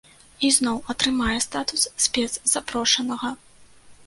І зноў атрымае статус спецзапрошанага.